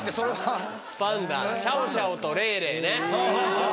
パンダシャオシャオとレイレイね。